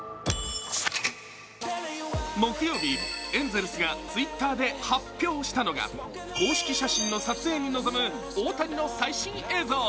木曜日、エンゼルスがＴｗｉｔｔｅｒで発表したのが公式写真の撮影に臨む大谷の最新映像。